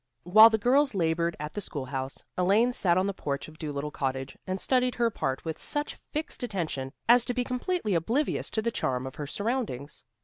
While the girls labored at the schoolhouse, Elaine sat on the porch of Dolittle Cottage, and studied her part with such fixed attention as to be completely oblivious to the charm of her surroundings.